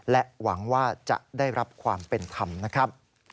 และหวังว่าจะได้รับความเป็นธรรมนะครับ